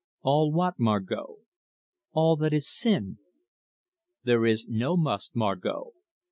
"All what, Margot?" "All that is sin?" "There is no must, Margot."